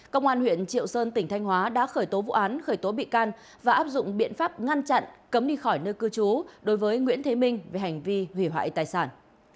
công an huyện triệu sơn tỉnh thanh hóa đã khởi tố vụ án khởi tố bị can và áp dụng biện pháp ngăn chặn cấm đi khỏi nơi cư trú đối với nguyễn thế minh về hành vi hủy hoại tài sản